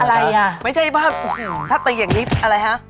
อะไรน่ะคะไม่ใช่บ้างทั้งเกี่ยวกับอะไรฮะ